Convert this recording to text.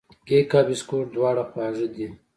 کیک او بسکوټ دواړه خوږې دي.